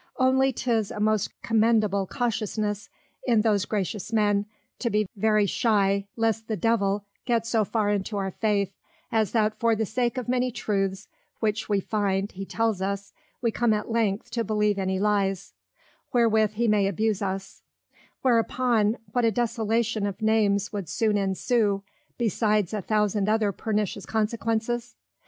Only 'tis a most commendable Cautiousness, in those gracious Men, to be very shye lest the Devil get so far into our Faith, as that for the sake of many Truths which we find he tells us, we come at length to believe any Lyes, wherewith he may abuse us: whereupon, what a Desolation of Names would soon ensue, besides a thousand other pernicious Consequences?